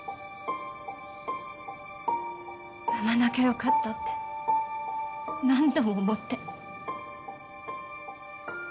産まなきゃよかったって何度も思って。